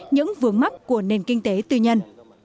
những vương mắt của nền kinh tế tư nhân